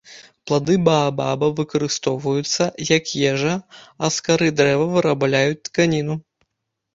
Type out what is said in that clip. Плады баабаба выкарыстоўваюцца, як ежа, а з кары дрэва вырабляюць тканіну.